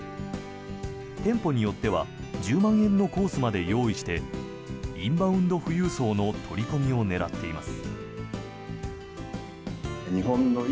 店舗によっては１０万円のコースまで用意してインバウンド富裕層の取り込みを狙っています。